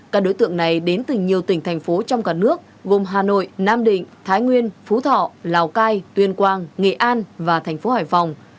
các đối tượng này đến từ nhiều tỉnh thành phố trong cả nước gồm hà nội nam định thái nguyên phú thọ lào cai tuyên quang nghệ an và thành phố hải phòng